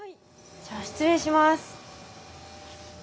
じゃあ失礼します。